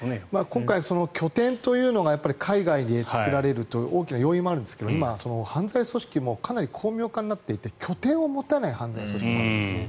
今回、拠点というのが海外で作られるという大きな要因もあるんですが今、犯罪組織もかなり巧妙化していて拠点を持たない犯罪組織もあるんですね。